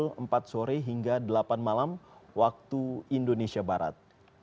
dan pukul empat hingga delapan malam waktu indonesia barat